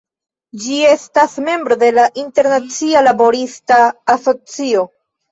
Ĝi estas membro de la Internacia Laborista Asocio.